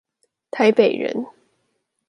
台北人